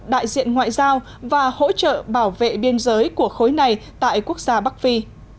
đại diện ngoại giao và hỗ trợ bảo vệ biên giới của khối này tại quốc gia bắc phi